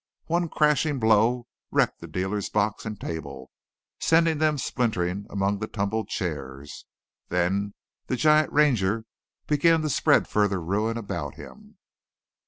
One crashing blow wrecked the dealer's box and table, sending them splintering among the tumbled chairs. Then the giant Ranger began to spread further ruin about him.